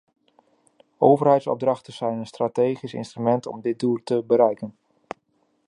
Overheidsopdrachten zijn een strategisch instrument om dit doel te bereiken.